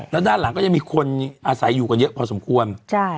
แล้วด้านหลังก็จะมีคนอาศัยอยู่กันเยอะพอสมควร